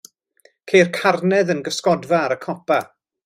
Ceir carnedd yn gysgodfa ar y copa.